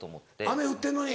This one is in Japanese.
雨降ってんのに？